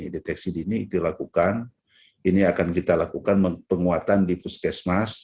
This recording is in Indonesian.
deteksi dini dilakukan ini akan kita lakukan penguatan di puskesmas